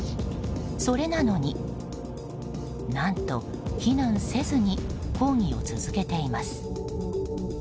それなのに、何と避難せずに講義を続けています。